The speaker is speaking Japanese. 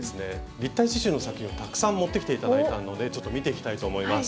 立体刺しゅうの作品をたくさん持ってきていただいたのでちょっと見ていきたいと思います。